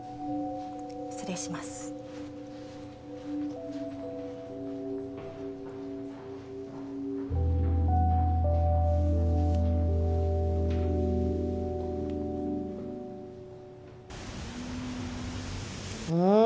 失礼しますうん？